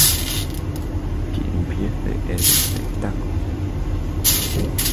¡Qué empiece el espectáculo!